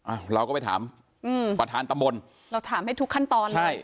อ้าวเราก็ไปถามอืมประธานตำบลเราถามให้ทุกขั้นตอนเลยใช่